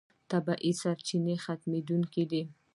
طبیعي سرچینې ختمېدونکې دي.